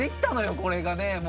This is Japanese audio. これがね。